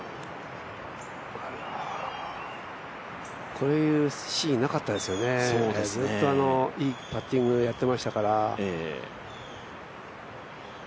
こういうシーンなかったですよね、ずっといいパッティングやってましたから。